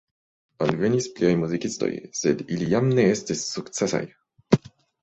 Alvenis pliaj muzikistoj, sed ili jam ne estis sukcesaj.